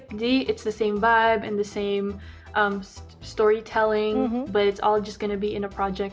jadi itu sama vibe dan cerita cerita tapi semua akan ada di proyek